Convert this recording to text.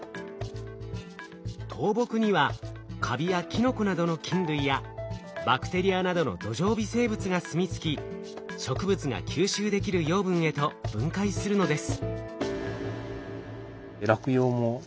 倒木にはカビやキノコなどの菌類やバクテリアなどの土壌微生物がすみ着き植物が吸収できる養分へと分解するのです。